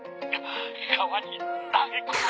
川に投げ込ま。